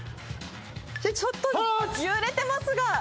ちょっと揺れてますが。